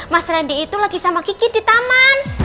mas randy itu lagi sama kiki di taman